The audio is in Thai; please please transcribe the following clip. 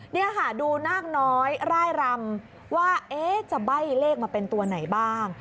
นี่ค่ะดูนาคน้อยร่ายรำว่าจะใบ้เลขมาเป็นตัวไหนบ้าง